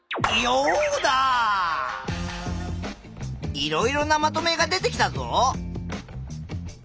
いろいろなまとめが出てきたぞ。